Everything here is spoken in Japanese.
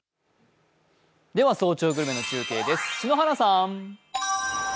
「早朝グルメ」の中継です、篠原さん。